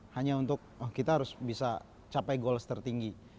hanya untuk kita harus bisa capai goals tertinggi